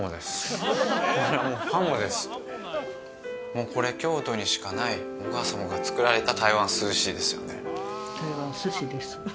もうこれ京都にしかないお母様が作られた台湾素食ですよね